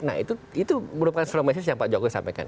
nah itu merupakan seluruh mesin yang pak jokowi sampaikan